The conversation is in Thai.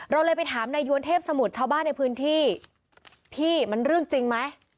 เราเลยไปถามนายยวนเทพสมุทรชาวบ้านในพื้นที่พี่มันเรื่องจริงไหม